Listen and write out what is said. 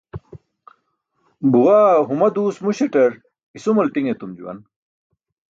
Buwaa huma duus muśaṭar isumal ṭiṅ etum juwan.